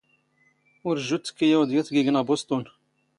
ⵓⵔ ⵊⵊⵓ ⴷ ⵜⴽⴽⵉ ⴰⵡⴷ ⵢⴰⵜ ⴳⵉⴳⵏⵖ ⴱⵓⵙⵟⵓⵏ.